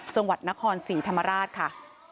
จังหวัดนครศรีธรรมราชค่ะ